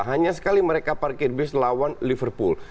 hanya sekali mereka parkir bis lawan liverpool